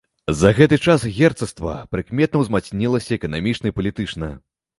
За гэты час герцагства прыкметна ўзмацнілася эканамічна і палітычна.